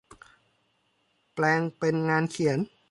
แปลงเป็นงานเขียน